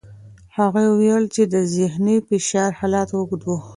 هغې وویل چې د ذهني فشار حالت اوږد و.